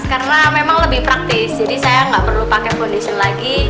karena memang lebih praktis jadi saya tidak perlu pakai kondisi lagi